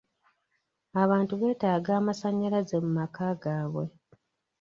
Abantu beetaaga amasanyalaze mu maka gaabwe.